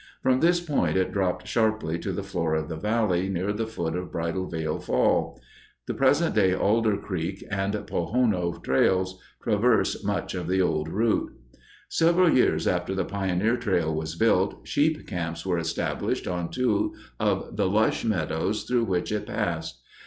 From this point it dropped sharply to the floor of the valley near the foot of Bridalveil Fall. The present day Alder Creek and Pohono trails traverse much of the old route. Several years after the pioneer trail was built, sheep camps were established on two of the lush meadows through which it passed.